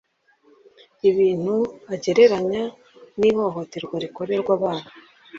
ibintu agereranya n’ihohoterwa rikorerwa abana